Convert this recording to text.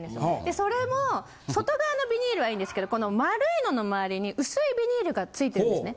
それも外側のビニールはいいんですけど丸いのの周りに薄いビニールがついてるんですね。